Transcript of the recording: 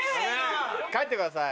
帰ってください。